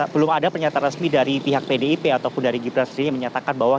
belum ada pernyataan resmi dari pihak pdip ataupun dari gibran sendiri yang menyatakan bahwa